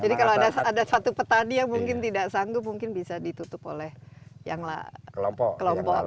jadi kalau ada satu petani yang mungkin tidak sanggup mungkin bisa ditutup oleh kelompok